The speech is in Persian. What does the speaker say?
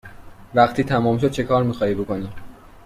وقتی تمام شد چکار می خواهی بکنی؟